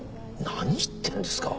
何言ってんですか。